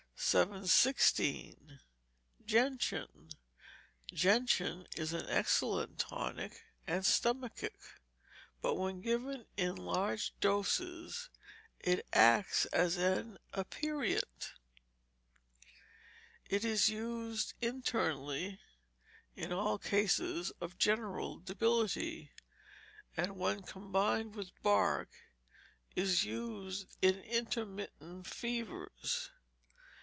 716. Gentian Gentian is an excellent tonic and stomachic; but when given in large doses, it acts as an aperient. It is used internally in all cases of general debility, and when combined with bark is used in intermittent fevers.